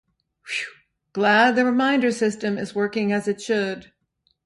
Phew! Glad the reminder system is working as it should.